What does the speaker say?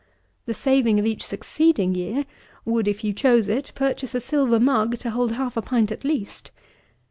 The saving of each succeeding year would, if you chose it, purchase a silver mug to hold half a pint at least.